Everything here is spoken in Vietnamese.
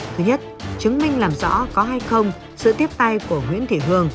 thứ nhất chứng minh làm rõ có hay không sự tiếp tay của nguyễn thị hương